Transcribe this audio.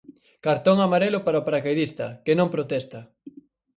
Cartón amarelo para o paracaidista, que non protesta.